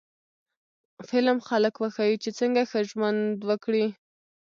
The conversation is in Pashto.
فلم خلک وښيي چې څنګه ښه ژوند وکړي